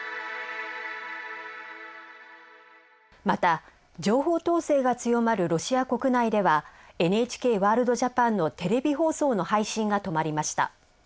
また情報統制が強まるロシア国内では「ＮＨＫワールドＪＡＰＡＮ」のテレビ放送の配信が止まりました。